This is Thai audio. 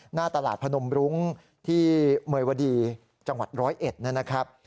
หน้าตลาดพนมรุ้งที่เมยวดีจังหวัดร้อยเอ็ดนะนะครับ